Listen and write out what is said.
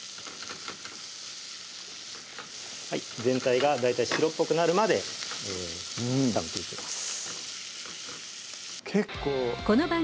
全体が大体白っぽくなるまで炒めていきます